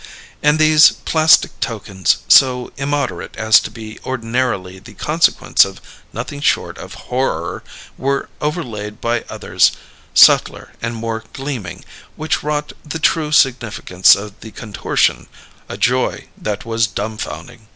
And these plastic tokens, so immoderate as to be ordinarily the consequence of nothing short of horror, were overlaid by others, subtler and more gleaming, which wrought the true significance of the contortion a joy that was dumfounding.